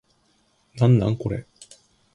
なんなんこれ